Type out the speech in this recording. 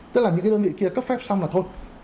tức là những cái đơn vị kia cấp phép xong là thôi